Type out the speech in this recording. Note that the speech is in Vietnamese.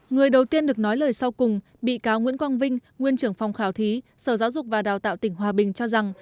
người đầu tiên được nói lời sau cùng bị cáo nguyễn quang vinh nguyên trưởng phòng khảo thí sở giáo dục và đào tạo tỉnh hòa bình cho rằng